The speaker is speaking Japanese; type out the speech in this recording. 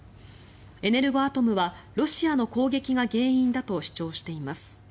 エネルゴアトムはロシアの攻撃が原因だと主張しています。